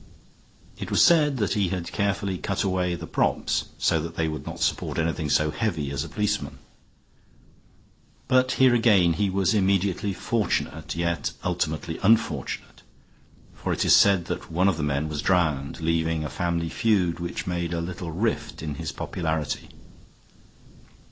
It was said that he had carefully cut away the props so that they would not support anything so heavy as a policeman. But here again he was immediately fortunate, yet ultimately unfortunate, for it is said that one of the men was drowned, leaving a family feud which made a little rift in his popularity.